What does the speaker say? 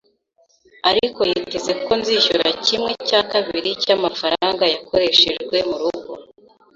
" ariko yiteze ko nzishyura kimwe cya kabiri cy'amafaranga yakoreshejwe mu rugo.